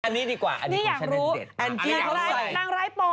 อันนี้ดีกว่าอันนี้ของแชนเน็ตเด็ด